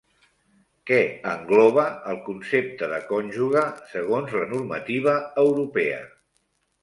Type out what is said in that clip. Què engloba el concepte de cònjuge segons la normativa europea?